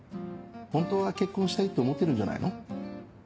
本当は結婚したいって思ってるんじゃないの？